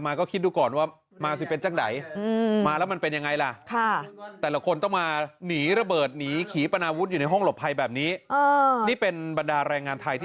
ไม้ก้าวตระกายไปแดงใด่ะแล้วความสุขก็ไม่รู้สถานะว่ายังไง